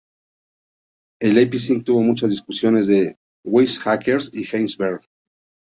En Leipzig tuvo muchas discusiones con Weizsäcker y Heisenberg.